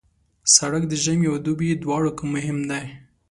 سړک د ژمي او دوبي دواړو کې مهم دی.